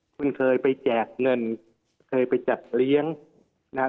คุณเคยไปแจกเงินเคยไปจัดเลี้ยงนะครับ